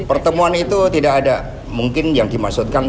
pertemuan itu tidak ada mungkin yang dimaksudkan